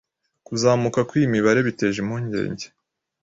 Kuzamuka kw'iyi mibare biteje umpungenge